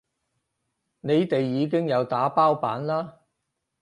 你哋已經有打包版啦